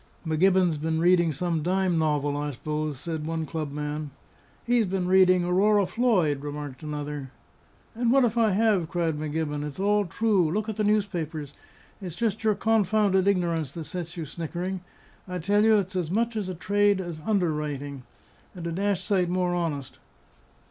"M'Gibbon's been reading some dime novel, I suppose," said one club man. "He's been reading Aurora Floyd," remarked another. "And what if I have?" cried M'Gibbon. "It's all true. Look at the newspapers! It's just your confounded ignorance that sets you snickering. I tell you, it's as much a trade as underwriting, and a dashed sight more honest."